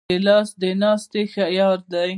ګیلاس د ناستې ښه یار دی.